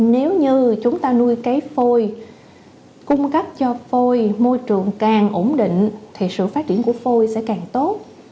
nếu như chúng ta nuôi cái phôi cung cấp cho phôi môi trường càng ổn định thì sự phát triển của phôi sẽ càng tốt